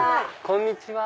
こんにちは。